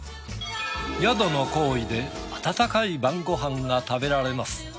宿の厚意で温かい晩ご飯が食べられます。